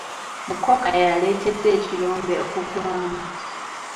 Mukoka yaletedde ekirombe okugwamu.